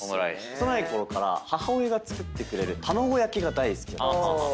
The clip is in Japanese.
幼いころから母親が作ってくれる卵焼きが大好きなんです。